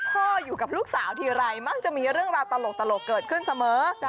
อยู่กับลูกสาวทีไรมักจะมีเรื่องราวตลกเกิดขึ้นเสมอ